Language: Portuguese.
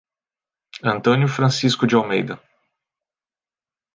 Antônio Francisco de Almeida